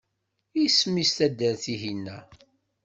Isem-is i taddart-ihina?